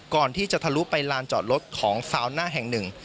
ก่อนที่จะทะลุไปลานจอดรถของซาวหน้าแห่งหนึ่ง